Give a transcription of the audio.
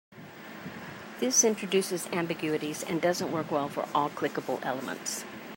This introduces ambiguities and doesn't work well for all clickable elements.